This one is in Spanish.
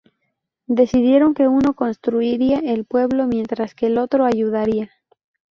Decidieron que uno construiría el pueblo mientras que el otro ayudaría.